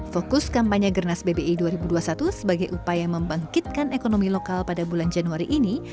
fokus kampanye gernas bbi dua ribu dua puluh satu sebagai upaya membangkitkan ekonomi lokal pada bulan januari ini